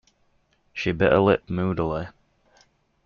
She bit her lip moodily.